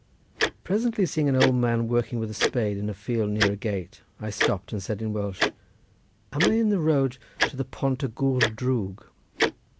Presently seeing an old man working with a spade in a field near a gate, I stopped and said in Welsh, "Am I in the road to the Pont y Gwr Drwg?"